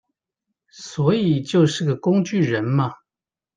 所以就是個工具人嘛